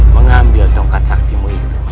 mengambil tongkat saktimu itu